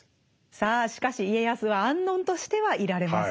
さあしかし家康は安穏としてはいられません。